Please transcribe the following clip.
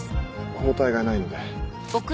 包帯がないので。